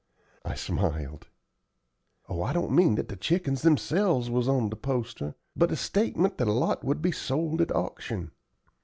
I smiled. "Oh, I don't mean that the chickens themselves was on the poster, but a statement that a lot would be sold at auction.